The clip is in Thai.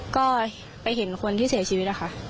ก็ไปเห็นคนที่เสียชีวิตนะคะ